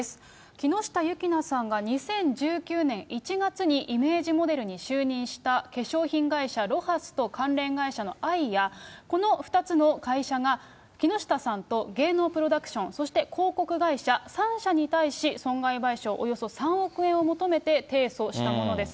木下優樹菜さんが２０１９年１月にイメージモデルに就任した化粧品会社、ロハスと関連会社のアイア、この２つの会社が、木下さんと芸能プロダクション、そして広告会社、３者に対し、損害賠償およそ３億円を求めて提訴したものです。